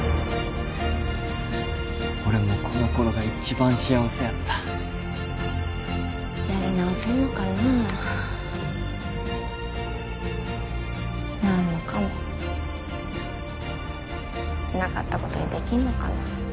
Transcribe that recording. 俺もこの頃が一番幸せやったやり直せんのかな何もかもなかったことにできんのかな？